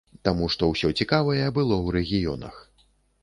Таму што ўсё цікавае было ў рэгіёнах.